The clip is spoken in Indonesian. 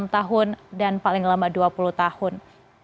enam tahun dan paling lama dua puluh tahun